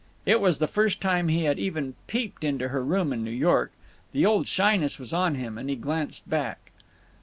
It was the first time he had even peeped into her room in New York. The old shyness was on him, and he glanced back.